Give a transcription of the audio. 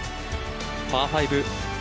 パー５。